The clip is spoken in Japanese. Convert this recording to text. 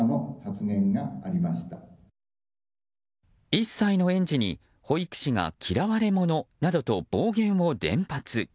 １歳の園児に、保育士が嫌われ者などと暴言を連発。